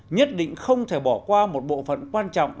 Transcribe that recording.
nhất định không thể bỏ qua một bộ phận quan trọng